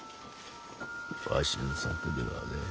わしの策ではねえ。